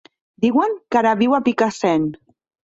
Diuen que ara viu a Picassent.